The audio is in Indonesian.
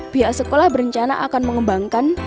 pihak sekolah berencana akan mengembangkan